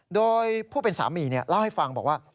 โดยผู้เป็นสามีเล่าให้ฟังบอกว่า